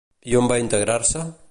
I on va integrar-se?